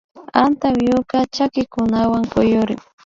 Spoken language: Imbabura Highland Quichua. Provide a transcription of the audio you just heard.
Antapyuka chakikunawan kuyurin